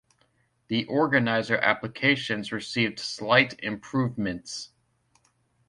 The organizer applications received slight improvements.